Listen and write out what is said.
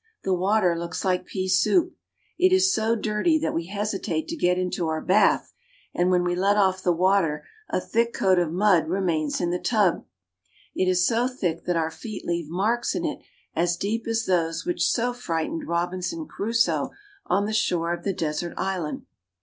The water looks like pea soup. It is so dirty that we hesitate to get into our bath, and when we let off the water a thick coat of mud remains in the tub. It is so thick that our feet leave marks in it as deep as those which so frightened Robinson Crusoe on the shore of the desert island.